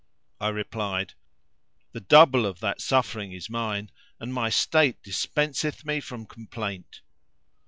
I replied, "The double of that suffering is mine and my state dispenseth me from complaint."